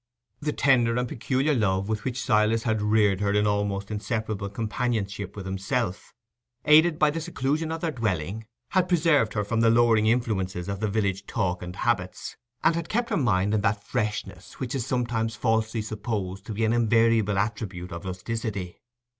The tender and peculiar love with which Silas had reared her in almost inseparable companionship with himself, aided by the seclusion of their dwelling, had preserved her from the lowering influences of the village talk and habits, and had kept her mind in that freshness which is sometimes falsely supposed to be an invariable attribute of rusticity.